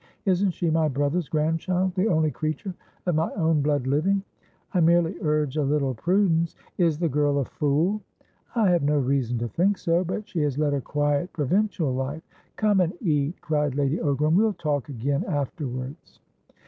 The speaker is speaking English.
"Isn't she my brother's grandchildthe only creature of my own blood living?" "I merely urge a little prudence" "Is the girl a fool?" "I have no reason to think so. But she has led a quiet, provincial life" "Come and eat!" cried Lady Ogram. "We'll talk again afterwards."